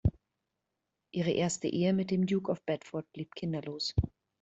Ihre erste Ehe mit dem Duke of Bedford blieb kinderlos.